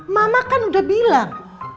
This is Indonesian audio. mama kan udah bilang